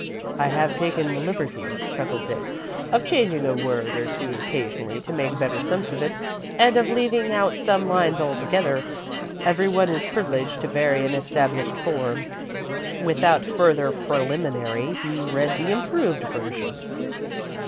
"I have taken the liberty," chuckled Dick, "of changing a word or two occasionally, to make better sense of it, and of leaving out some lines altogether. Every one is privileged to vary an established form." Without further preliminary, he read the improved version.